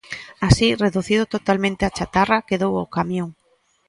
Así, reducido totalmente a chatarra, quedou o camión.